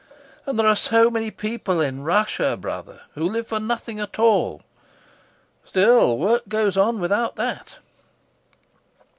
And there are so many people in Russia, brother, who live for nothing at all. Still, work goes on without that.